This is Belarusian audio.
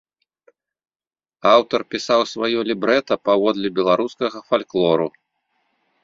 Аўтар пісаў сваё лібрэта паводле беларускага фальклору.